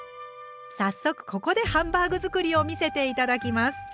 早速ここでハンバーグ作りを見せて頂きます。